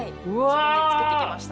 自分で作ってきました。